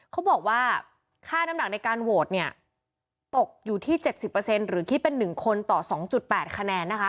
เขาบอกว่าค่าน้ำหนักในการโหวตเนี่ยตกอยู่ที่๗๐หรือคิดเป็น๑คนต่อ๒๘คะแนนนะคะ